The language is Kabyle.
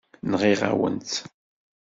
Nɣiɣ-awen-tt.